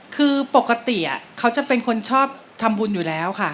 คือปกติเขาจะเป็นคนชอบทำบุญอยู่แล้วค่ะ